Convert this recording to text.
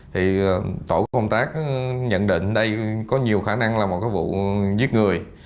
thì tổ công tác nhận định đây có nhiều khả năng là một cái vụ giết người